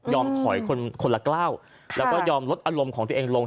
ถอยคนคนละกล้าวแล้วก็ยอมลดอารมณ์ของตัวเองลง